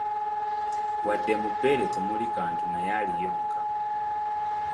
Wadde mu bbeere temuli kantu naye aliyonka.